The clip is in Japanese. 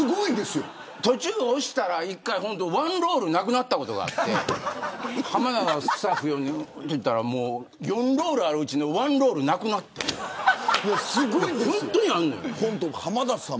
途中で押したら１ロールなくなったことがあって浜田がスタッフを呼んで何か言ったら４ロールあるうちの１ロールがなくなった本当にあるのよ。